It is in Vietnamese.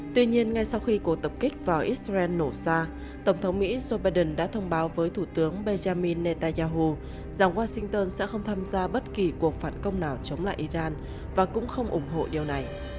tuy nhiên ngay sau khi cuộc tập kích vào israel nổ ra tổng thống mỹ joe biden đã thông báo với thủ tướng benjamin netanyahu rằng washington sẽ không tham gia bất kỳ cuộc phản công nào chống lại iran và cũng không ủng hộ điều này